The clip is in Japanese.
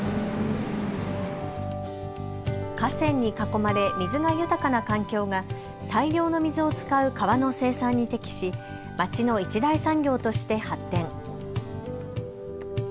河川に囲まれ水が豊かな環境が大量の水を使う革の生産に適し街の一大産業として発展。